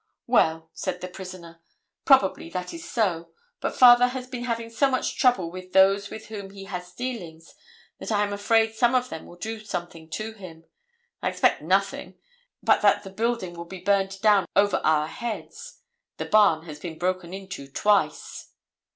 "Well," said the prisoner, "probably that is so. But father has been having so much trouble with those with whom he has dealings that I am afraid some of them will do something to him. I expect nothing but that the building will be burned down over our heads. The barn has been broken into twice."